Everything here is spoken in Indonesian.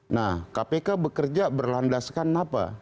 nah kpk bekerja berlandaskan apa